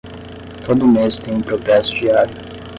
Todo mês tem um progresso diário